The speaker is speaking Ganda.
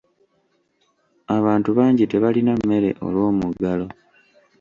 Abantu bangi tebalina mmere olw'omuggalo.